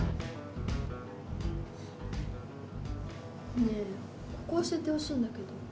ねえここ教えてほしいんだけど。